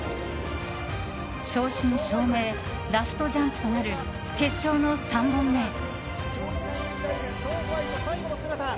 正真正銘、ラストジャンプとなる決勝の３本目。